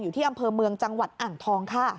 อยู่ที่อำเภอเมืองจังหวัดอ่างทองค่ะ